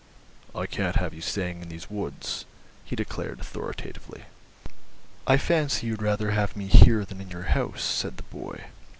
"I can't have you staying in these woods," he declared authoritatively. "I fancy you'd rather have me here than in your house," said the boy.